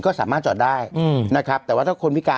ก็สามารถจอดได้นะครับแต่ว่าถ้าคนพิการ